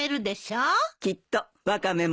きっとワカメも喜ぶよ。